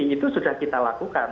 itu sudah kita lakukan